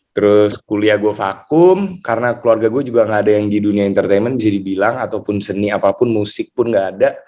terus kuliah gue vakum karena keluarga gue juga gak ada yang di dunia entertainment bisa dibilang ataupun seni apapun musik pun gak ada